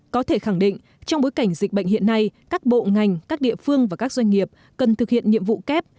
có thể khẳng định trong bối cảnh dịch bệnh hiện nay các bộ ngành các địa phương và các doanh nghiệp cần thực hiện nhiệm vụ kép